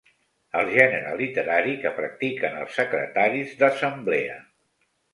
El gènere literari que practiquen els secretaris d'assemblea.